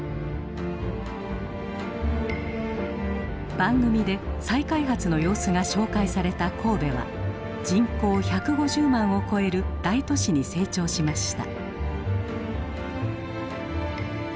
番組で再開発の様子が紹介された神戸は人口１５０万を超える大都市に成長しました。